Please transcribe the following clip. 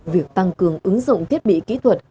việc tăng cường ứng dụng thiết bị kỹ thuật